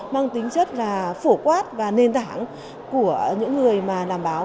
mang tính chất là phổ quát và nền tảng của những người mà làm báo